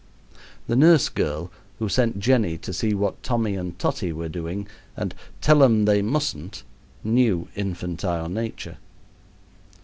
The nurse girl who sent Jenny to see what Tommy and Totty were doing and "tell 'em they mustn't" knew infantile nature.